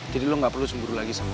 jadi lo gak perlu semburu lagi sama gue